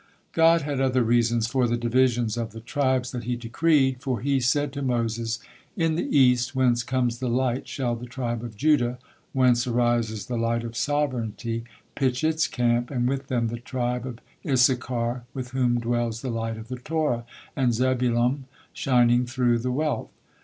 God had other reasons for the divisions of the tribes that He decreed, for He said to Moses: "In the East whence comes the light shall the tribe of Judah, whence arises the light of sovereignty, pitch its camp, and with them the tribe of Issachar, with whom dwells the light of the Torah, and Zebulum, shining through the wealth.